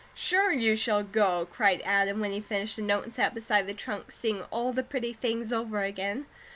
"Sure you shall go!" cried Adam, when he finished the note, and sat beside the trunk seeing all the pretty things over again.